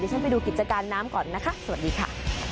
ฉันไปดูกิจการน้ำก่อนนะคะสวัสดีค่ะ